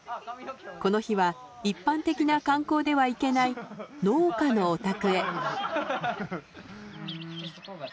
この日は一般的な観光では行けない農家のお宅へ。